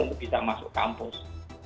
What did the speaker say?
untuk bisa masuk kampus